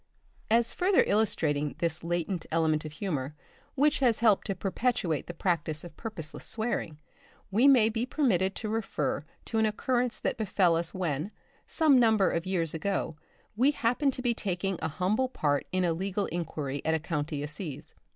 As further illustrating this latent element of humour, which has helped to perpetuate the practice of purposeless swearing, we may be permitted to refer to an occurrence that befell us when, some number of years ago, we happened to be taking a humble part in a legal inquiry at a county assizes.